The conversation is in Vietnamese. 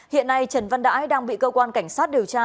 hiện nay trần văn đãi đang bị cơ quan cảnh sát điều tra